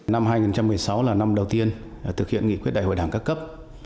năm hai nghìn một mươi sáu là năm đầu tiên thực hiện nghị quyết đại hội đảng các cấp